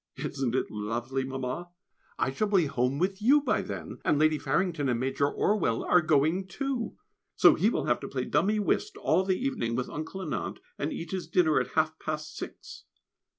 Isn't it lovely, Mamma? I shall be home with you by then, and Lady Farrington and Major Orwell are going too! So he will have to play dummy whist all the evening with Uncle and Aunt, and eat his dinner at half past six!